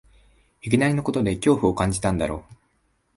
いきなりのことで恐怖を感じたんだろう